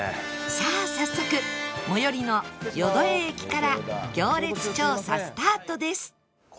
さあ早速最寄りの淀江駅から行列調査スタートです